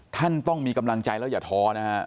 ท่านต้องมีกำลังใจแล้วอย่าท้อนะฮะ